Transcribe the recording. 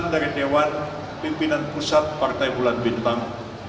dari dewan pimpinan pusat partai bulan bintang